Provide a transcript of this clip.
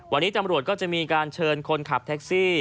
วันนี้ตำรวจก็จะมีการเชิญคนขับแท็กซี่